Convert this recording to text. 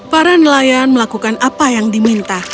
para nelayan melakukan apa yang diminta